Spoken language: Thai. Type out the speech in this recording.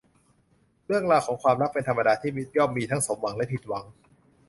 เรื่องราวของความรักเป็นธรรมดาที่ย่อมมีทั้งสมหวังและผิดหวัง